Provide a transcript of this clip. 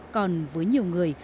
còn với nhiều người